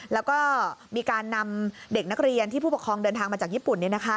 แล้วก็มีการนำเด็กนักเรียนที่ผู้ปกครองเดินทางมาจากญี่ปุ่น